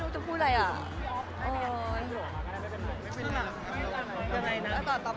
ทุกคนพร้อมนะ